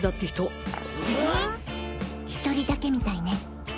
１人だけみたいね。